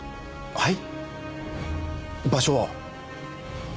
はい！